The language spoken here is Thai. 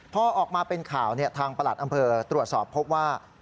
พอออกมาเป็นข่าวทางประหลัดอำเภอตรวจสอบพบว่า